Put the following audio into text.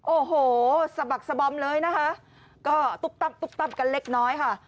โอ้โหสะบักสะบอมเลยนะคะก็ตุ๊บตับตุ๊บตับกันเล็กน้อยค่ะ